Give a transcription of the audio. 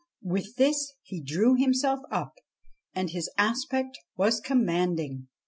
With this he drew himself up, and his aspect was commanding.